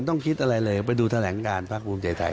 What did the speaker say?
ต้องคิดอะไรเลยไปดูแถลงการพักภูมิใจไทย